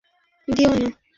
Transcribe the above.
আরে, আবার শুরু করে দিও না।